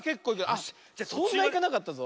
あっそんないかなかったぞ。